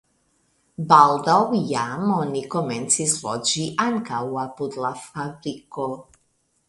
Baldaŭ jam oni komencis loĝi ankaŭ apud la fabriko.